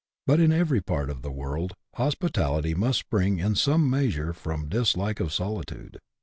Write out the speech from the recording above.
But in every part of the world hospitality must spring in some measure from a dislike of solitude.